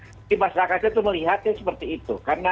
jadi masyarakat itu melihatnya seperti itu